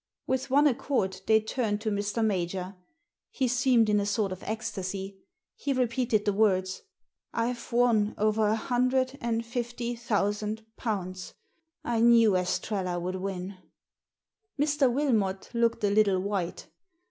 With one accord they turned to Mr. Major, He seemed in a sort of ecstasy. He re peated the words, "I've won over a hundred and fifty thousand pounds. I knew Estrella'd win." Mr. Wilmot looked a little white.